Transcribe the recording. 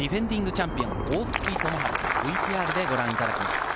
チャンピオン・大槻智春、ＶＴＲでご覧いただきます。